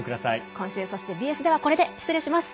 今週、そしてＢＳではこれで失礼します。